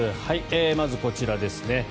まずこちらですね。